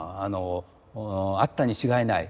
あったに違いない。